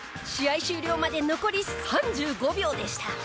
試合終了まで残り３５秒でした。